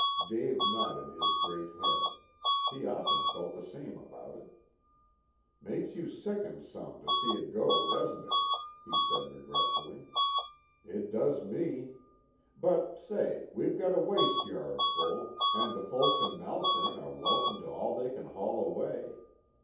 Dave nodded his great head. He often felt the same about it. "Makes you sicken some to see it go, doesn't it?" he said regretfully. "It does me. But say, we've got a waste yard full, and the folks in Malkern are welcome to all they can haul away.